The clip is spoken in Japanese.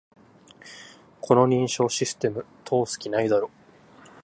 この認証システム、通す気ないだろ